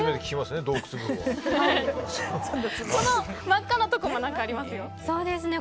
この真っ赤なところも何かあるんですか？